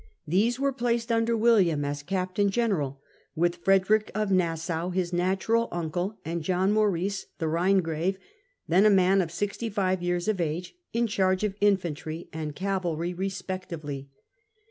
These were placed under William as Captain General, with Frederick of Nassau, his natural uncle, and John Maurice, the Rhine grave, then a man of sixty five years of age, in charge of the infantry and cavalry respectively.